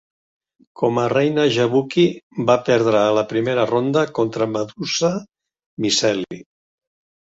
Com a Reina Jabuki, va perdre a la primera ronda contra Madusa Miceli.